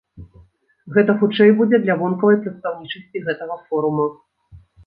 Гэта хутчэй будзе для вонкавай прадстаўнічасці гэтага форума.